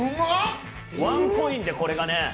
ワンコインでこれがね。